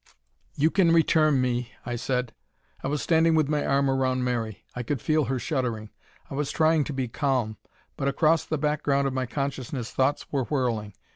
"You can return me," I said. I was standing with my arm around Mary. I could feel her shuddering. I was trying to be calm, but across the background of my consciousness thoughts were whirling.